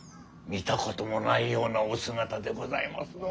見たこともないようなお姿でございますぞ。